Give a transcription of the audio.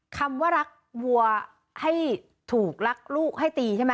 คำว่ารักวัวให้ถูกรักลูกให้ตีใช่ไหม